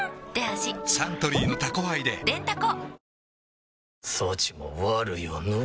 サントリーの「タコハイ」ででんタコ